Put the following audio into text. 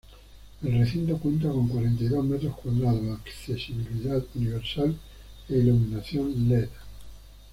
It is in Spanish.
El recinto cuenta con cuarenta y dos metros cuadrados, accesibilidad universal e iluminación led.